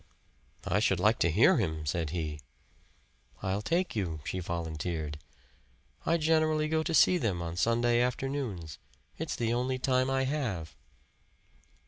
"I should like to hear him," said he. "I'll take you," she volunteered. "I generally go to see them on Sunday afternoons. It's the only time I have."